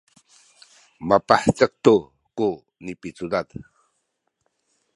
mapahezek tu ku nipicudad